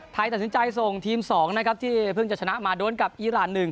ตัดสินใจส่งทีม๒นะครับที่เพิ่งจะชนะมาโดนกับอีราน๑